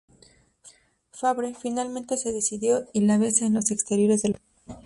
Fabre, finalmente se decide y la besa en los exteriores del hospital.